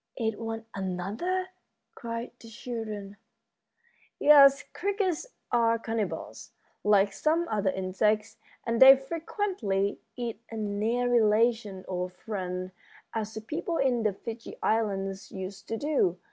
"Eat one another?" cried the children. "Yes, crickets are cannibals, like some other insects, and they frequently eat a near relation or a friend, as the people in the Fiji Islands used to do.